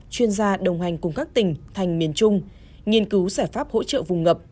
chuyên gia đồng hành cùng các tỉnh thành miền trung nghiên cứu giải pháp hỗ trợ vùng ngập